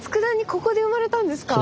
ここで生まれたんですか？